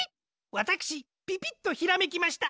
わたくしピピッとひらめきました！